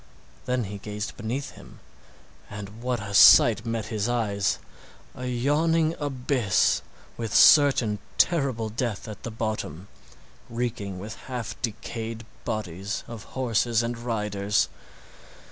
Then he gazed beneath him, and what a sight met his eyes! A yawning abyss, with certain and terrible death at the bottom, reeking with half decayed bodies of horses and riders!